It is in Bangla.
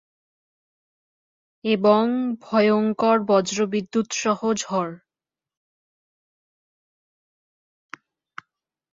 এবং ভয়ংকর বজ্রবিদ্যুৎসহ ঝড়।